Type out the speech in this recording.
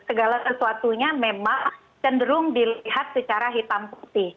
segala sesuatunya memang cenderung dilihat secara hitam putih